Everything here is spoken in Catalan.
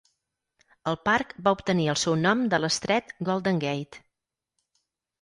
El parc va obtenir el seu nom de l'Estret Golden Gate.